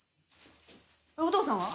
お父さんは？